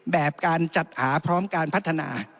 แบบการจัดหาพร้อมการพัฒนา